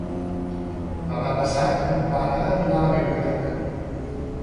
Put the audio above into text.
Demà passat mon pare anirà a la biblioteca.